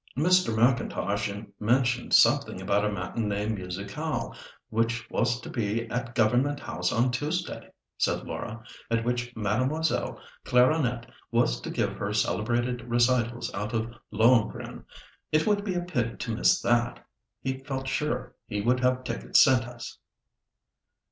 "Mr. M'Intosh mentioned something about a matinée musicale which was to be at Government House on Tuesday," said Laura, at which Mademoiselle Claironnet was to give her celebrated recitals out of Lohengrin. It would be a pity to miss that. He felt sure we would have tickets sent us."